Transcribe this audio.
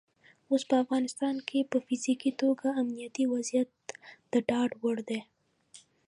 اوس په افغانستان کې په فزیکي توګه امنیتي وضعیت د ډاډ وړ دی.